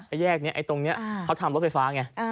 แยกนี้ไอ้ตรงนี้เขาทำรถไฟฟ้าไง